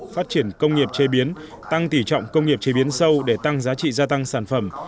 phát triển công nghiệp chế biến tăng tỉ trọng công nghiệp chế biến sâu để tăng giá trị gia tăng sản phẩm